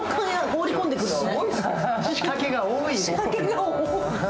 仕掛けが多い。